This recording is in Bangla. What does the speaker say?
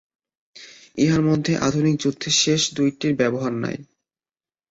ইহার মধ্যে আধুনিক যুদ্ধে শেষ দুইটির ব্যবহার নাই।